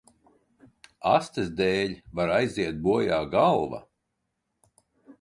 Astes dēļ var aiziet bojā galva.